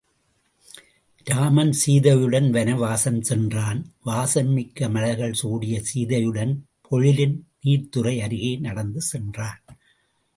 இராமன் சீதையுடன் வனவாசம் சென்றான் வாசம் மிக்க மலர்கள் சூடிய சீதையுடன் பொழிலின் நீர்த்துறை அருகே நடந்து சென்றான்.